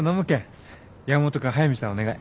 山本君速見さんお願い。